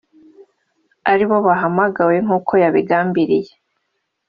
ari bo bahamagawe nk’uko yabigambiriye